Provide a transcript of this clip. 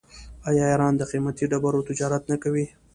آیا ایران د قیمتي ډبرو تجارت نه کوي؟